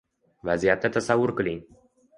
Vaziyatni tasavvur qiling.